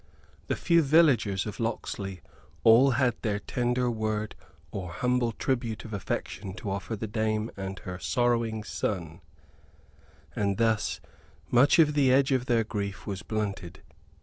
The few villagers of Locksley all had their tender word or humble tribute of affection to offer the dame and her sorrowing son; and thus much of the edge of their grief was blunted.